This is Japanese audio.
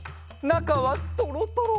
なかはトロトロ。